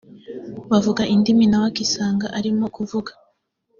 bakavuga indimi na we akisanga arimo kuvuga